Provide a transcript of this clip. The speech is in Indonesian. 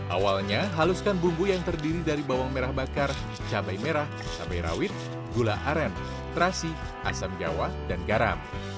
awalnya haluskan bumbu yang terdiri dari bawang merah bakar cabai merah cabai rawit gula aren terasi asam jawa dan garam